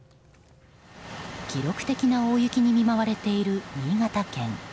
記録的な大雪に見舞われている新潟県。